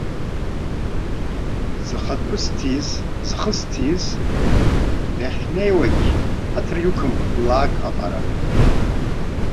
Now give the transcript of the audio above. Зхатәы зҭиз, зхы зҭиз, дахьнеиуагь ҳаҭыр иқәым лак аҟара!